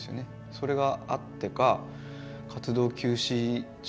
それがあってか活動休止中